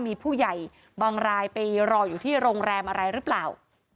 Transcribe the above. มีผู้ใหญ่บางรายไปรออยู่ที่โรงแรมอะไรหรือเปล่า